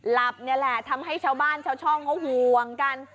หลับนี่แหละทำให้ชาวบ้านชาวช่องเขาห่วงกัน